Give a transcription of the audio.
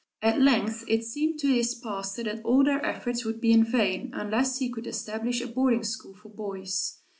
At length it seemed to this pastor that all their efforts would be in vain unless he could establish a boarding school for boys.